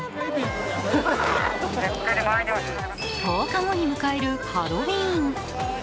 １０日後に迎えるハロウィーン。